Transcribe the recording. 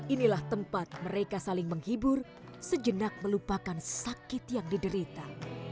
inilah tempat mereka saling menghibur sejenak melupakan sakit yang diderita